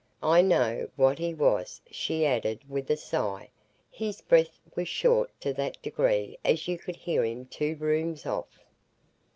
I know what he was," she added, with a sigh; "his breath was short to that degree as you could hear him two rooms off."